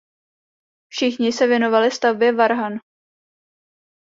Všichni se věnovali stavbě varhan.